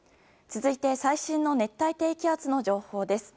続いて最新の熱帯低気圧の情報です。